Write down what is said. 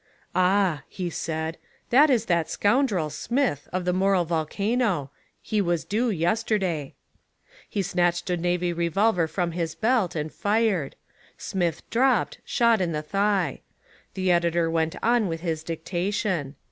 "Ah," he said, "that is that scoundrel, Smith, of the Moral Volcano; he was due yesterday," He snatched a navy revolver from his belt, and fired. Smith dropped, shot in the thigh. The Editor went on with his dictation.